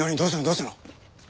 どうしたの？